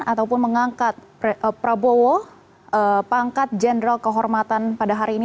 ataupun mengangkat prabowo pangkat jenderal kehormatan pada hari ini